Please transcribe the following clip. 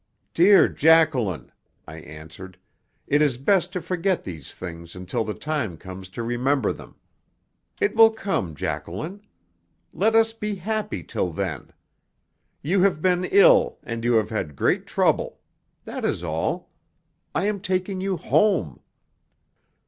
"Dear Jacqueline," I answered, "it is best to forget these things until the time comes to remember them. It will come, Jacqueline. Let us be happy till then. You have been ill, and you have had great trouble. That is all. I am taking you home.